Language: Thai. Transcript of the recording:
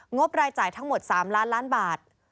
บรายจ่ายทั้งหมด๓ล้านล้านบาท